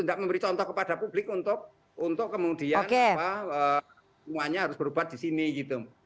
nggak memberi contoh kepada publik untuk kemudian semuanya harus berubah disini gitu